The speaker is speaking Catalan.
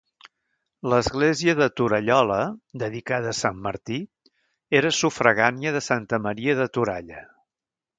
L'església de Torallola, dedicada a sant Martí, era sufragània de Santa Maria de Toralla.